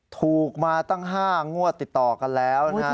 ถูกมาตั้ง๕งวดติดต่อกันแล้วนะฮะ